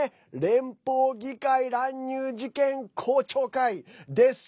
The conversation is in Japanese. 連邦議会乱入事件公聴会です。